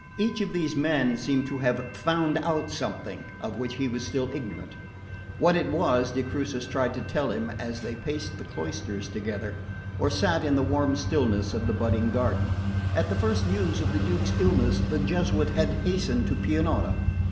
Each of these men seemed to have FOUND OUT SOMETHING of which he was still ignorant. What it was, de Crucis tried to tell him as they paced the cloisters together or sat in the warm stillness of the budding garden. At the first news of the Duke's illness the Jesuit had hastened to Pianura.